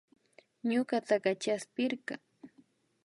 Ñutukata chaspirka